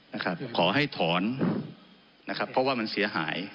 นะครับขอให้ถอนนะครับเพราะว่ามันเสียหาย